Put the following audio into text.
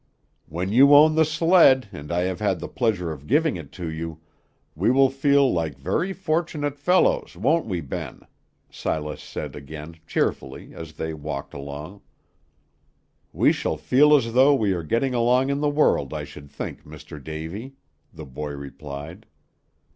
"When you own the sled, and I have had the pleasure of giving it to you, we will feel like very fortunate fellows, won't we, Ben?" Silas said again, cheerfully, as they walked along. "We shall feel as though we are getting along in the world, I should think, Mr. Davy," the boy replied.